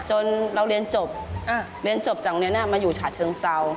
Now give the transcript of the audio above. จนเราเรียนจบเรียนจบจากโรงเรียนมาอยู่ฉะเชิงเศร้า